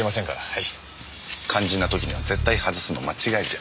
肝心な時には絶対外すの間違いじゃ？